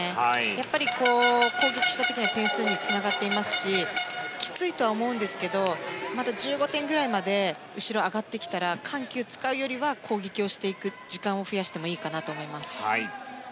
やっぱり、攻撃した時には点数につながっていますしきついとは思うんですけどまだ１５点ぐらいまで後ろ、上がってきたら緩急を使うよりは攻撃をしていく時間を増やしてもいいかなと思います。